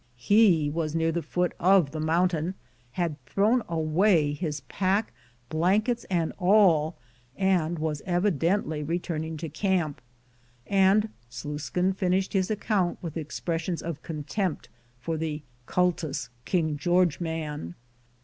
He was near the foot of the mountain, had thrown away his pack, blankets and all, and was evidently returning to camp. And Sluiskin finished his account with expressions of contempt for the "cultus King George man."